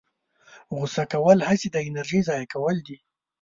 غوسه کول هسې د انرژۍ ضایع کول دي.